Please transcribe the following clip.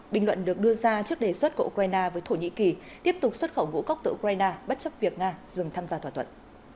bình luận được đưa ra trước đề xuất của ukraine với thổ nhĩ kỳ tiếp tục xuất khẩu ngũ cốc từ ukraine bất chấp việc nga dừng tham gia thỏa thuận